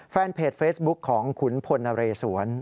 แฟนเพจเฟซบุ๊คของขุนพลนเรสวน